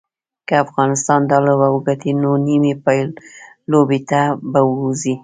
که افغانستان دا لوبه وګټي نو نیمې پایلوبې ته به ووځي